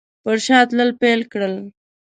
پر شا تلل پیل کړل.